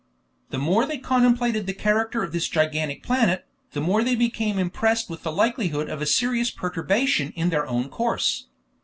The more they contemplated the character of this gigantic planet, the more they became impressed with the likelihood of a serious perturbation in their own course.